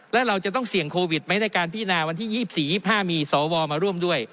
แล้วเราจะต้องเสี่ยงโควิดไหมในการพินาวันที่๒๔๒๕มีสวมาร่วมด้วย